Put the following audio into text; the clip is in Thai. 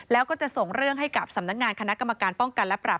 แล้วก็จะส่งเรื่องให้กับสำนักงานคณะกรรมการป้องกันและปราบ